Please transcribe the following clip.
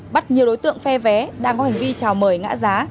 bắt nhiều đối tượng phe vé đang có hành vi trào mời ngã giá